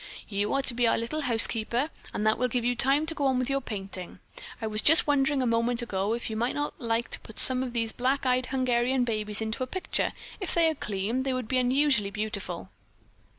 "You are to be our little housekeeper and that will give you time to go on with your painting. I was just wondering a moment ago if you might not like to put some of these black eyed Hungarian babies into a picture. If they are clean, they would be unusually beautiful."